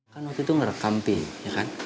kan waktu itu ngerekam pin ya kan